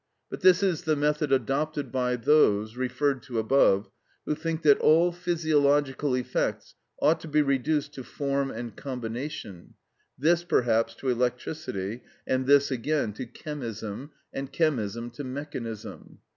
But this is the method adopted by those, referred to above, who think that all physiological effects ought to be reduced to form and combination, this, perhaps, to electricity, and this again to chemism, and chemism to mechanism.